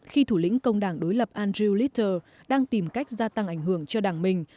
khi thủ lĩnh công đảng đối lập andrew leader đang tìm cách gia tăng ảnh hưởng cho đảng mình